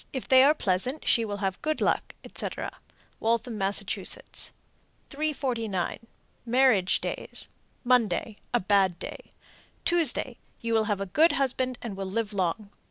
If they are pleasant, she will have good luck, etc. Waltham, Mass. 349. Marriage days. Monday a bad day. Tuesday you will have a good husband and will live long.